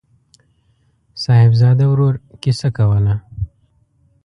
صاحبزاده ورور کیسه کوله.